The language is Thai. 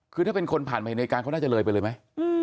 คือถ้าเป็นคนผ่านมาเห็นในการเขาน่าจะเลยไปเลยไหม